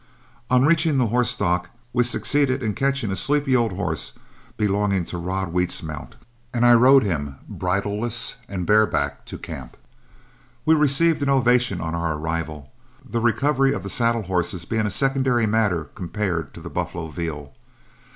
On reaching the horse stock, we succeeded in catching a sleepy old horse belonging to Rod Wheat's mount, and I rode him bridleless and bareback to camp. We received an ovation on our arrival, the recovery of the saddle horses being a secondary matter compared to the buffalo veal.